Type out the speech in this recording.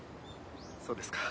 そうですか。